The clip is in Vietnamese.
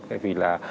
tại vì là